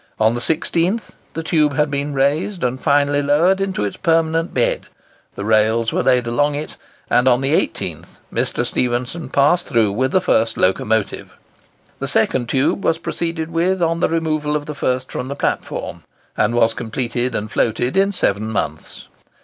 On the 16th, the tube had been raised and finally lowered into its permanent bed; the rails were laid along it; and, on the 18th, Mr. Stephenson passed through with the first locomotive. The second tube was proceeded with on the removal of the first from the platform, and was completed and floated in seven months.